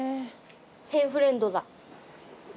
ペンフレンドだ。